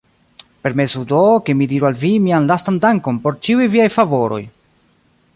Permesu do, ke mi diru al vi mian lastan dankon por ĉiuj viaj favoroj!